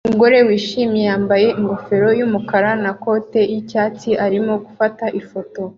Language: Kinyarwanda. Umugore wishimye wambaye ingofero yumukara na kote yicyatsi arimo gufata ifoto